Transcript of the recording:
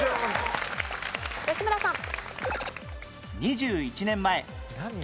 吉村さん。